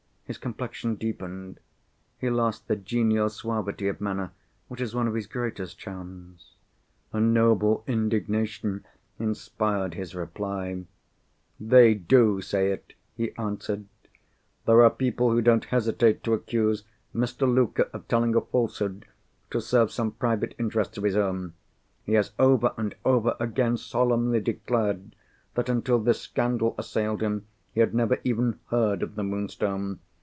His complexion deepened. He lost the genial suavity of manner which is one of his greatest charms. A noble indignation inspired his reply. "They do say it," he answered. "There are people who don't hesitate to accuse Mr. Luker of telling a falsehood to serve some private interests of his own. He has over and over again solemnly declared that, until this scandal assailed him, he had never even heard of the Moonstone.